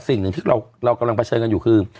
สิ่งหนึ่งที่เรากำลังเผชิญกันอยู่คือ